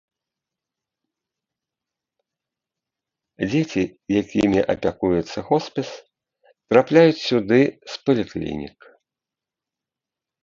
Дзеці, якімі апякуецца хоспіс, трапляюць сюды з паліклінік.